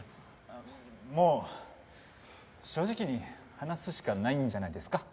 もう正直に話すしかないんじゃないですか？